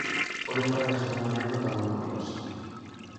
Foi a través dunha anécdota moi curiosa.